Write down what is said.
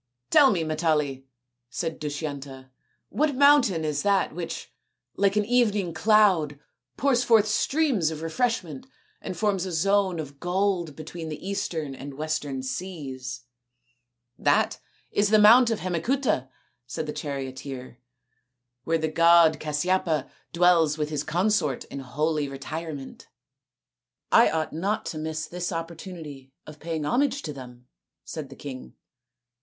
"Tell me, Matali," said Dushyanta, "what mountain is that which, like an evening cloud, pours forth streams of refreshment and forms a zone of gold between the eastern and the western seas ?"" That is the mount of Hemacuta," said the charioteer, " where the god Casyapa dwells with his consort in holy retirement." " I ought not to miss this opportunity of paying homage to them," said the king.